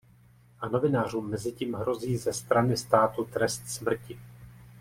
A novinářům mezitím hrozí ze strany státu trest smrti.